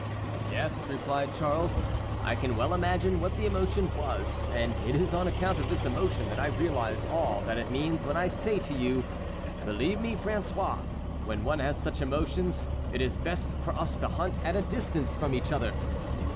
"Yes," replied Charles, "I can well imagine what the emotion was; and it is on account of this emotion that I realize all that it means when I say to you: 'Believe me, François, when one has such emotions it is best for us to hunt at a distance from each other.